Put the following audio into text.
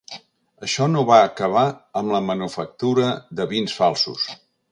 Això no va acabar amb la manufactura de vins falsos.